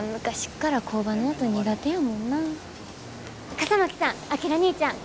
笠巻さん章にいちゃん。